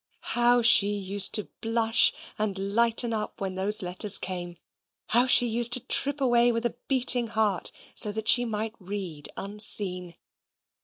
How she used to blush and lighten up when those letters came! How she used to trip away with a beating heart, so that she might read unseen!